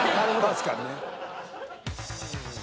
［確かにね］